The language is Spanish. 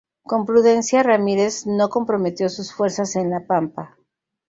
Con prudencia, Ramírez no comprometió sus fuerzas en la pampa.